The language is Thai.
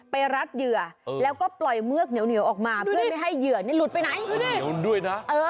รัดเหยื่อแล้วก็ปล่อยเมือกเหนียวออกมาเพื่อไม่ให้เหยื่อนี่หลุดไปไหนด้วยนะ